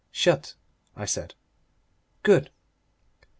"Shut," I said. "Good!"